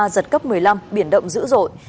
giật cấp một mươi năm biển động dữ dội